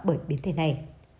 bởi biến thể này